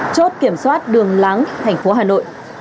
chốt kiểm soát đường láng thành phố hà nội